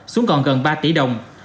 xuống còn gần ba tỷ đồng